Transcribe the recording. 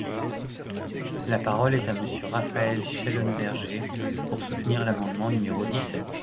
La parole est à Monsieur Raphaël Schellenberger, pour soutenir l’amendement numéro dix-sept.